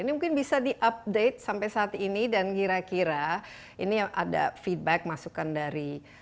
ini mungkin bisa di update sampai saat ini dan kira kira ini yang ada feedback masukan dari